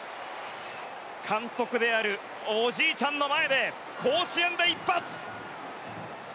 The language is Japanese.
監督であるおじいちゃんの前で甲子園で一発！